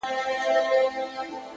ما به د سترگو کټوري کي نه ساتل گلونه’